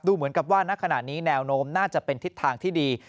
เหมือนกับว่าณขณะนี้แนวโน้มน่าจะเป็นทิศทางที่ดี